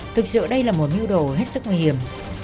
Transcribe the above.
thực sự đây là một miêu đồ hết sức nguy hiểm